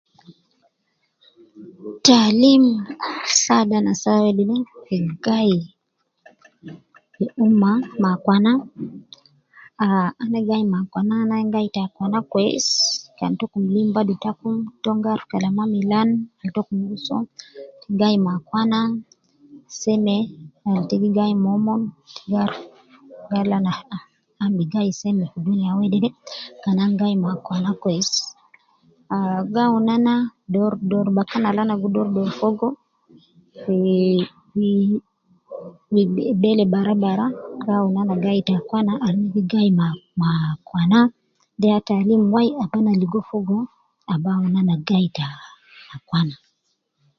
Taalim saadu ana saa wedede fi gai fi, fi umma ma akwana ,ah ana gai ma akwana an ayin gai ta akwana kwesi kan tokum lim badu takum, tom gi aruf kalama milan ke tokum gi soo, gai ma akwana seme kan te gi gai momon, te gi aruf gal an bi gai seme fi dunia wedede kan ana gi gai me akwana kwesi, ah gi awun ana doru doru bakan al ana gi doru doru fogo fi, fi, fi bele bara bara ,gi awun ana gai te akwana an gi gai ma ,ma akwana ,de ya taalim wai ab ana ligo fi umma, ab alim ana gai ta akwana